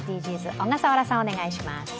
小笠原さん、お願いします。